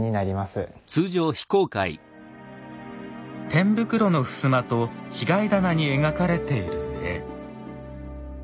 天袋の襖と違い棚に描かれている絵。